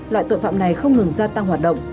loại tội phạm này không ngừng gia tăng hoạt động